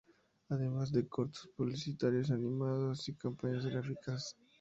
Además de cortos publicitarios animados y campañas gráficas.